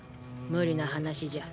無理な話じゃ。